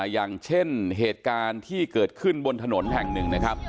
อย่างเช่นเหตุการณ์ที่เกิดขึ้นบนถนนแห่งหนึ่งนะครับ